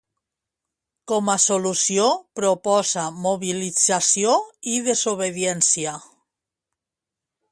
Com a solució, proposa “mobilització i desobediència”.